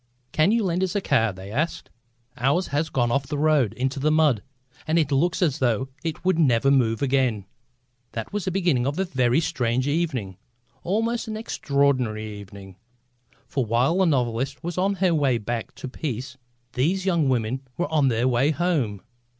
"Can you lend us a car?" they asked. "Ours has gone off the road into the mud, and it looks as though it would never move again." That was the beginning of a very strange evening, almost an extraordinary evening. For while the novelist was on her way back to peace these young women were on their way home.